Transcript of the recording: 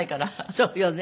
そうよね。